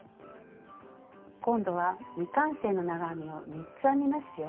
今度は未完成の長編みを３つ編みますよ。